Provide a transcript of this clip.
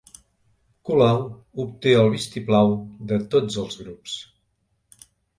Colau obté el vistiplau de tots els grups